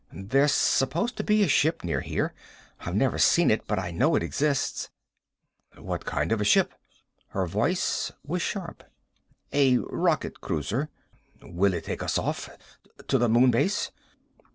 "There's supposed to be a ship near here. I've never seen it. But I know it exists." "What kind of a ship?" Her voice was sharp. "A rocket cruiser." "Will it take us off? To the Moon Base?"